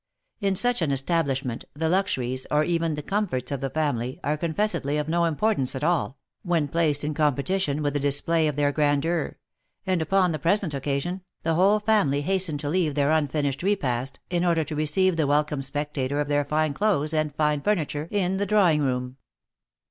In such an establishment, the luxuries, or even the comforts of the family, are confessedly of no importance at all, when placed in competition with the display of their grandeur; and upon the present occasion, the whole family has tened to leave their unfinished repast, in order to receive the wel come spectator of their fine clothes and fine furniture in the draw ing room.